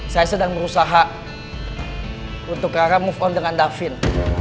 saya sedang berusaha untuk karena move on dengan davin